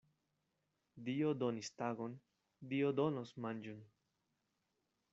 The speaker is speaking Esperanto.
Dio donis tagon, Dio donos manĝon.